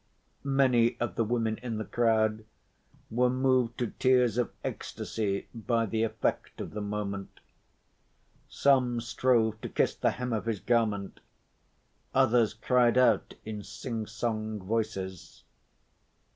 Many of the women in the crowd were moved to tears of ecstasy by the effect of the moment: some strove to kiss the hem of his garment, others cried out in sing‐song voices.